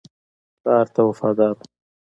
پلار ته وفادار وو.